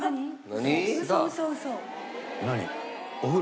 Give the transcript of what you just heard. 何？